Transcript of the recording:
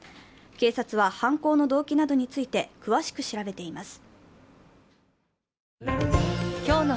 警察は犯行の動機などについて詳しく調べています。